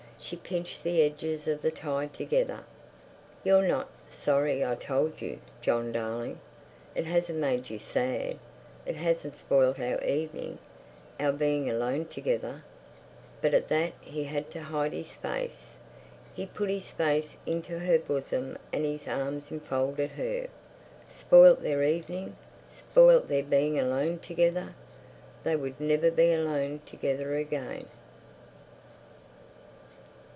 She pinched the edges of the tie together. "You're not—sorry I told you, John darling? It hasn't made you sad? It hasn't spoilt our evening—our being alone together?" But at that he had to hide his face. He put his face into her bosom and his arms enfolded her. Spoilt their evening! Spoilt their being alone together! They would never be alone together again.